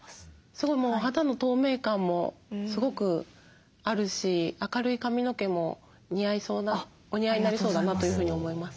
すごいもう肌の透明感もすごくあるし明るい髪の毛も似合いそうなお似合いになりそうだなというふうに思います。